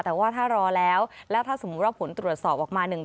แต่ว่าถ้ารอแล้วแล้วถ้าสมมุติว่าผลตรวจสอบออกมา